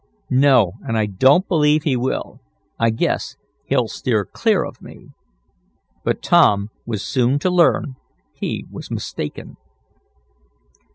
"No, and I don't believe he will. I guess he'll steer clear of me." But Tom was soon to learn he was mistaken.